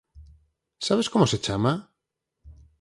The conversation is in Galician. Sabes como se chama?